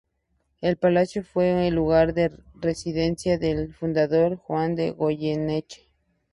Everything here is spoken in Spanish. El palacio fue el lugar de residencia del fundador Juan de Goyeneche.